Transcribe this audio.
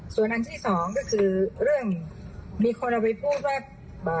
ส่วนอันที่สองก็คือเรื่องมีคนเอาไปพูดว่า